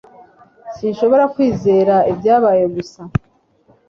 Sinshobora kwizera ibyabaye gusa